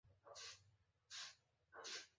তিনি চারবার দায়িত্বপ্রাপ্ত ছিলেন।